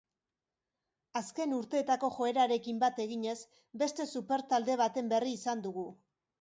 Azken urteetako joerarekin bat eginez, beste super-talde baten berri izan dugu.